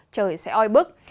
trời sẽ oi bức